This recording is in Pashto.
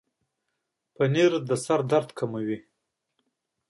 پنېر د سر درد کموي.